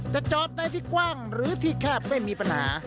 จะจอดในที่กว้างหรือที่แคบไม่มีปัญหา